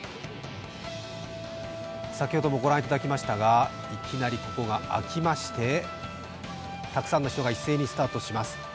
先ほどもご覧いただきましたがいきなりここが開きましてたくさんの人が一斉にスタートします。